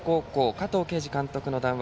加藤慶二監督の談話